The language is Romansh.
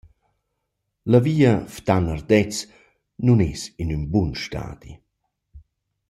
La via Ftan–Ardez nun es in ün bun stadi.